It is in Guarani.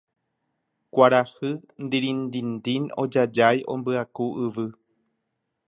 kuarahy ndirindindin ojajái ombyaku yvy